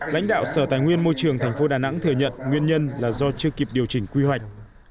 lãnh đạo sở tài nguyên môi trường tp đà nẵng thừa nhận nguyên nhân là do chưa kịp điều chỉnh quy hoạch